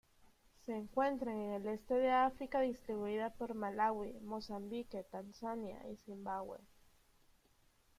Se encuentra en el este de África, distribuida por Malawi, Mozambique, Tanzania y Zimbabue.